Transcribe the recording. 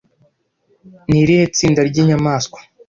Ni irihe tsinda ry'inyamaswa